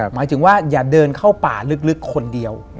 หมายถึงว่าอย่าเดินเข้าป่าลึกคนเดียว